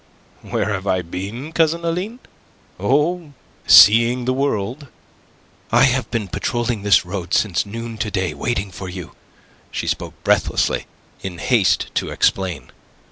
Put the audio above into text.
"Where have I been, Cousin Aline? Oh... seeing the world." "I have been patrolling this road since noon to day waiting for you." She spoke breathlessly, in haste to explain.